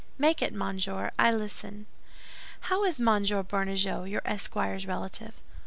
"Make it, monsieur, I listen." "How is Monsieur Bernajoux, your esquire's relative?"